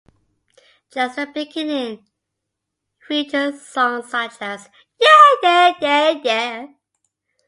"Just the Beginning..." features songs such as "Yeah, Yeah, Yeah!